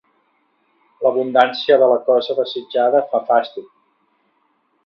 L'abundància de la cosa desitjada fa fastig.